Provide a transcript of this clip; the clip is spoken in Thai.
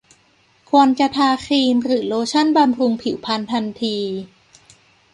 ควรจะทาครีมหรือโลชั่นบำรุงผิวพรรณทันที